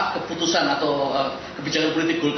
keputusan atau kebijakan politik